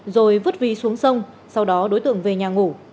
rồi vứt vi xuống sông sau đó đối tượng về nhà ngủ